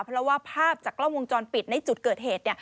เพราะว่าภาพจากกล้องวงจรปิดในจุดเกิดเหตุ